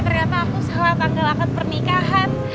ternyata aku setelah tanggal akad pernikahan